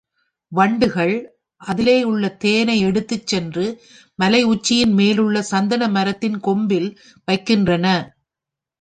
வண்டுகள் அதிலேயுள்ள தேனை எடுத்துச் சென்று மலை உச்சியின் மேலுள்ள சந்தன மரத்தின் கொம்பில் வைக்கின்றன.